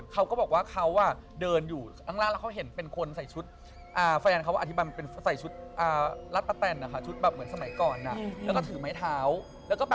เขาบอกว่าเห็นทั้งคู่แล้ว